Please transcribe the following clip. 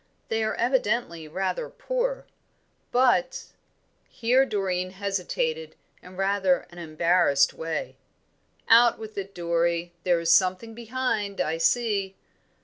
They are evidently rather poor. But " Here Doreen hesitated in rather an embarrassed way. "Out with it, Dorrie: there is something behind, I see."